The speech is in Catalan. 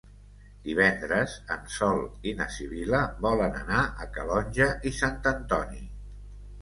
Divendres en Sol i na Sibil·la volen anar a Calonge i Sant Antoni.